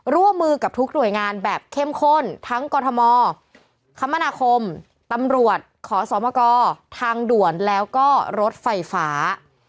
ร่วมมือกับทุกหน่วยงานแบบเข้มข้นทั้งกรทมคมนาคมตำรวจขอสมกทางด่วนแล้วก็รถไฟฟ้า